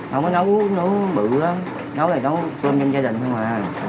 không có nấu bự nấu cơm trong gia đình không à